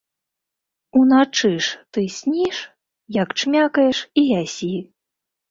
Уначы ж ты сніш, як чмякаеш і ясі.